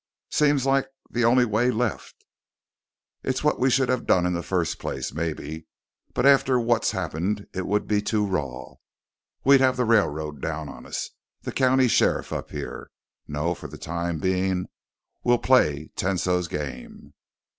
"Seems like the only way left." "It's what we should have done in the first place, maybe. But after what's happened it would be too raw. We'd have the railroad down on us, the county sheriff up here. No, for the time being well play Tesno's game."